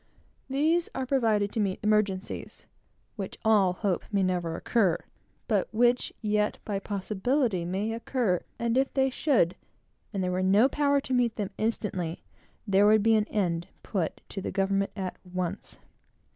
These are provided to meet exigencies, which all hope may never occur, but which yet by possibility may occur, and if they should, and there were no power to meet them instantly, there would be an end put to the government at once.